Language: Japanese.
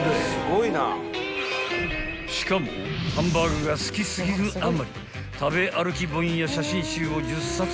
［しかもハンバーグが好き過ぎるあまり食べ歩き本や写真集を１０冊も出版］